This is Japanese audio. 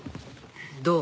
どう？